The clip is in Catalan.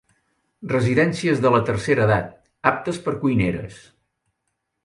Residències de la tercera edat aptes per a cuineres.